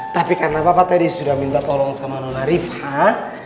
tapi karena bapak tadi sudah minta tolong sama non arifah